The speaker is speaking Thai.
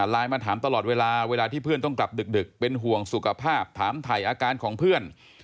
มาถามตลอดเวลาเวลาที่เพื่อนต้องกลับดึกเป็นห่วงสุขภาพถามถ่ายอาการของเพื่อน